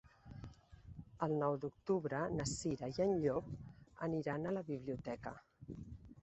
El nou d'octubre na Cira i en Llop aniran a la biblioteca.